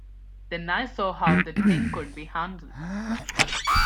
Then I saw how the thing could be handled.